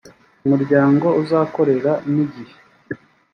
umuryango uzakorera n igihe